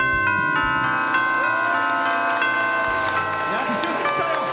鳴りましたよ！